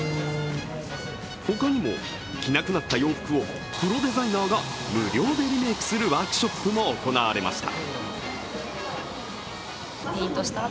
ほかにも、着なくなった洋服をプロデザイナーが無料でリメークするワークショップも行われました。